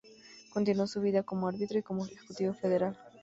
Continuó su vida como árbitro y como ejecutivo federal.